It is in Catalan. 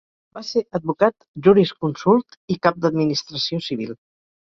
Va ser advocat, jurisconsult i cap d'administració civil.